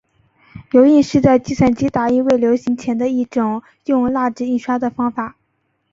油印是在计算机打印未流行前的一种用蜡纸印刷的方法。